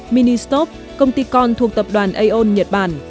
ministop công ty con thuộc tập đoàn aon nhật bản